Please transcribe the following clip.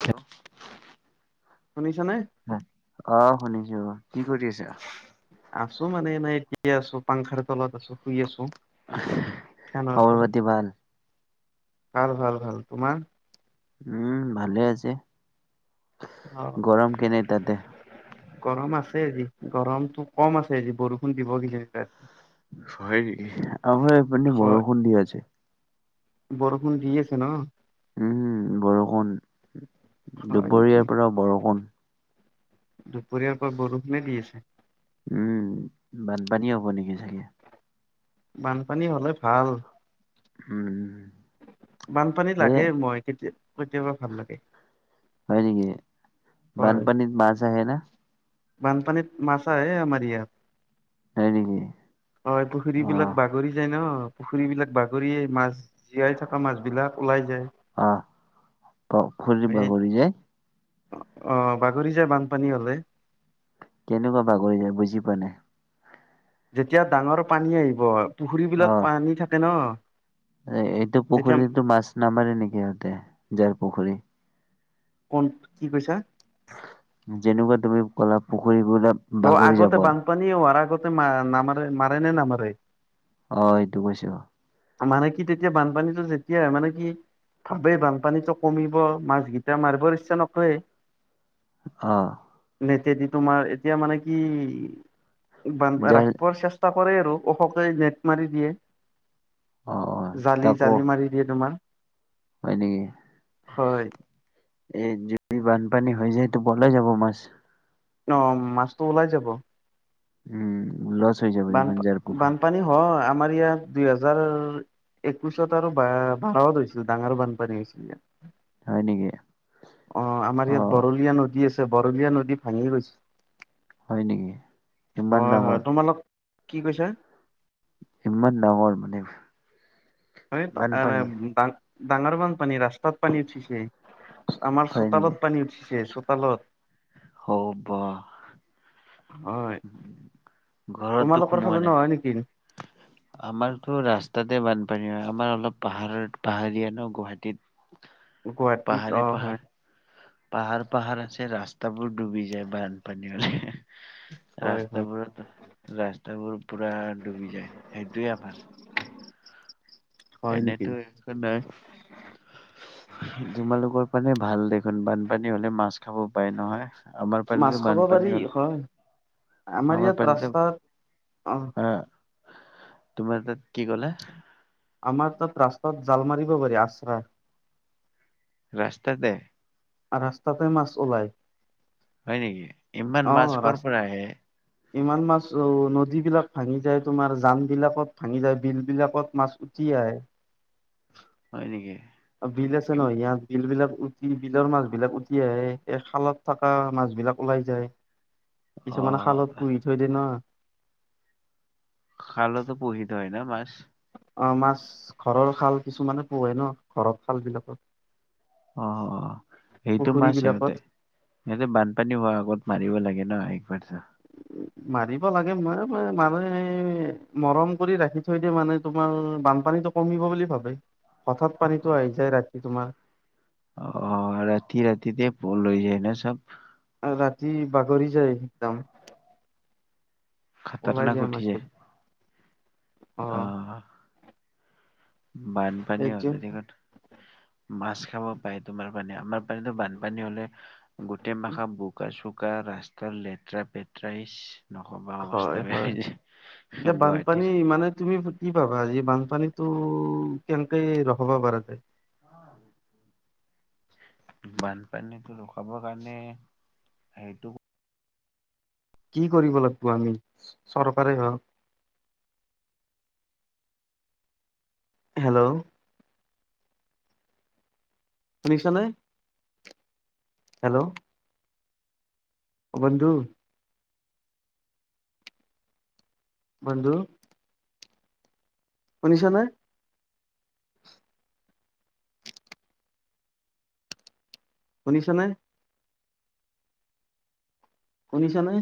হ [unintelligible] শুনিছানে। অ শুনিছো কি কৰি আছা। আছো মানে এনেই ঠিকে আছো পাংখাৰ, তলত আছো শুই আছো। ফেনৰ, খবৰ তলত পাতি ভাল ভাল ভাল তোমাৰ উম, ভালে আছে অ' গৰম, কেনে তাতে। গৰম আছে আজি গৰমতটো, কম আছে আজি বৰষুণ, দিব কিজানি তাত। হয় নেকি আমাৰ এপিনে হয় বৰষুণ, দি আছে। বৰষুণ, দি আছে ন। উম বৰষুণ, হয় নেকি দুপৰীয়াৰ পৰা বৰষুণ। দুপৰীয়াৰ পৰা বৰষুণে, দি আছে। উম বানপানী, হ'ব নেকি চাগে। বানপানী, হ'লে ভাল। উম বানপানী এ লাগেই মই কেতিয়া কেতিয়াবা ভাল লাগে। হয় নেকি হয়। বানপানীত মাছ আহে না। বানপানীত মাছ আহে আমাৰ ইয়াত হয় নেকি হয় পুখুৰী অ বিলাক বা বাগৰি যায় ন পুখুৰী বিলাক বাগৰিয়ে মাছ জীয়াই থকা মাছ বিলাক ওলাই যায়। অ পুখুৰি এই বাগৰি যায়। অ বাগৰি যায় বানপানী হলে। কেনেকুৱা বাগৰি যায় বুজি পোৱা নাই। যেতিয়া ডাঙৰ পানী আহিব, পুখুৰী অ বিলাক পানী থাকে ন এইটো তেতিয়া পুখুৰীতো মাছ নামাৰে নেকি সিহঁতে যাৰ পুখুৰী। কোন কি কৈছাঁ। যেনেকুৱা তুমি ক'লা পুখুৰীবিলাক। ত' আগতে বানপানী হোৱাৰ আগতে ম নামাৰে মাৰে নে নামাৰে। হয় এইটো কৈছাঁ। মানে কি তেতিয়া বানপানীটো যেতিয়াই হয়, মানে কি ভাবে বানপানীটো কমিব মাছকেইটা মাৰিবৰ ইচ্ছা নকৰে। অ নেতেদি তোমাৰ এতিয়া মানে কি বান যাৰ ৰাখিবৰ চেষ্টা চেষ্টা কৰে আৰু ওখকৈ নেট মাৰি দিয়ে। অ অ জালি তাকো জালি মাৰি দিয়ে তোমাৰ। হয় নেকি? হয় এ যদি বানপানী হৈ যায় এইটো ওলাই যাব মাছ। অ' মাছটো ওলাই যাব। উম ওলাই। বানপা বানপানী হয়, আমাৰ ইয়াত দুই হেজাৰ একৈশত আৰু বাৰত হৈছিল ডাঙৰ বানপানী হৈছিল ইয়াত। হয় নেকি অ' আমাৰ ইয়াত বৰলীয়া নদী আছে। বৰলীয়া নদী ভাঙি গৈছে। হয় নেকি ইমান হয় হয়, ডাঙৰ তোমালোক কি কৈছাঁ? ইমান ডাঙৰ মানে অই বানপানী বান ডাঙৰ বান পানী ৰাস্তাত পানী উঠিছে। আমাৰ হয় চোতালত পানী উঠিছে চোতালত। ও বাহ হয় ঘৰতটো তোমালোকৰ ফালে সোমোৱা নাই। নহয় নেকি আমাৰতো ৰাস্তাতে বানপানী হয় আমাৰ অলপ পাহাৰত পাহাৰীয়া ন গুৱাহাটীত। গুৱাহাটীত পাহাৰে অঁ পাহাৰ হয়। পাহাৰ পাহাৰ আছে, ৰাস্তাবোৰ ডুবি যায় বানপানী হলে। হয় হয় ৰাস্তাবোৰত ৰাস্তাবোৰ পুৰা ডুবি যায় সেইটোৱে আমাৰ হয় নেকি এনেটো একো নহয়। তোমালোকৰ ফালে ভাল দেখোন, বানপানী হলে মাছ খাব পায় নহয়। আমাৰ মাছ ফালেটো খাব পাৰি বানপানী হলে, হয় আমাৰ ইয়াত পানীতে ৰাস্তাত অ আ তোমাৰ তাত কি ক'লে? আমাৰ তাত ৰাস্তাত জাল মাৰিব পাৰি ৰাস্তাত। ৰাস্তাতে। তাত ৰাস্তাতে মাছ ওলায় হয় নেকি ইমান মাছ ৰাস কৰ পৰা আহে ইমান মাছ অ নদী বিলাক ভাঙি যায় তোমাৰ জান বিলাকত ভাঙি যায় বিল বিলাকত মাছ উতি আহে হয় নেকি বিল আছে ন ইয়াত বিল বিলাক উতি বিলৰ মাছ বিলাক উতি আহে এই খালত থকা মাছবিলাক ওলাই যায় [inaudible] অ কিছুমানে খালত পুহি থৈ দিয়ে ন খালতো পুহি থয় ন মাছ অ মাছ ঘৰৰ খাল কিছুমানত পোহে ন ঘৰত খাল বিলাকত অ অ সেইটো পুখুৰী মাছ বিলাকত সিহঁতে সিহতে বানপানী হোৱাৰ আগত মাৰিব লাগে ন একবাৰ মাৰিব লাগে মই ম মানে মৰম কৰি ৰাখি থৈ দিয়ে মানে তোমাৰ বানপানীটো কমিব বুলি ভাবে হঠাৎ পানীটো আহি যায় ৰাতি তোমাৰ অ ৰাতি ৰাতিতে লৈ যায় ন চব ৰাতি বাগৰি যায় একদম ওলাই খাতাৰনাক উঠি যায় মাছবোৰ অ অ বানপানী সেইটো হলে দিনক মাছ খাব পাই তোমাৰ ফালে আমাৰ ফালেটো বানপানী হলে গোটেই মাখা বোকা চোকা ৰাস্তাৰ লেতেৰা পেতেৰাইছ নকবা আৰু হয় অৱস্থা বেয়া হয় হৈ যায় এতিয়া বানপানী গুৱাহাটীৰ মানে তুমি কি পাবা আজি বানপানীতো কেনেকে ৰখাবা পৰা যায় [unintelligible] বানপানীতটো ৰখাব কাৰণে সেইটো কি কৰিব লাগিব আমি চৰকাৰে হওক হেল্ল' শুনিছা নে হেল্ল' অ বন্ধু বন্ধু শুনিছ নে শুনিছ নে শুনিছ নে